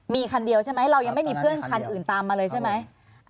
มีคันเดียวใช่ไหมเรายังไม่มีเพื่อนคันอื่นตามมาเลยใช่ไหม